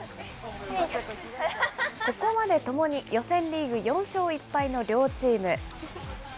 ここまでともに予選リーグ４勝１敗の両チーム。